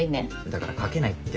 だから賭けないって。